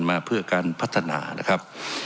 มาเพื่อการพัฒนานะครับ